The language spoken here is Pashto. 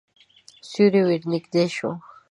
سیوری ورنږدې شو.